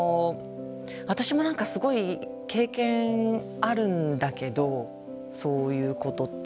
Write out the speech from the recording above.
私も何かすごい経験あるんだけどそういうことって。